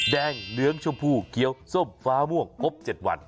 เหลืองชมพูเขียวส้มฟ้าม่วงครบ๗วัน